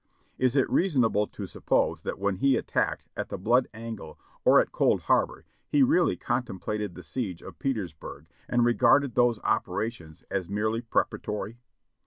Is it reasonable to suppose that when he attacked at the Bloody Angle or at Cold Harbor, he really con templated the siege of Petersburg and regarded those operations as merely preparatory?